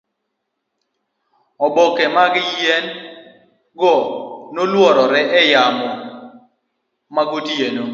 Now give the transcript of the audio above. oboke mag yien go neluorore e yamo magotieno